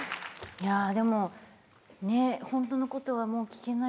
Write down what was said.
いやでもねっホントのことはもう聞けないから。